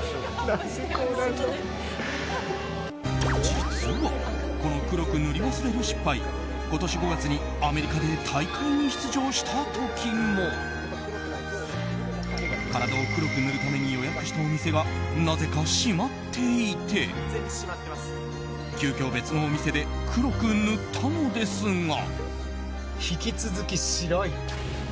実は、この黒く塗り忘れる失敗今年５月にアメリカで大会に出場した時も体を黒く塗るために予約したお店がなぜか閉まっていて急きょ、別のお店で黒く塗ったのですが。